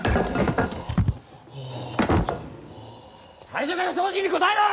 最初から正直に答えろ！！